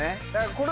これ。